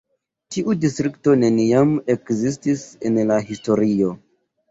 Tiu distrikto neniam ekzistis en la historio.